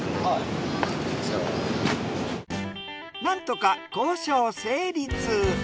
なんとか交渉成立。